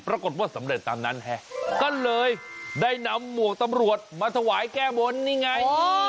สำเร็จตามนั้นก็เลยได้นำหมวกตำรวจมาถวายแก้บนนี่ไง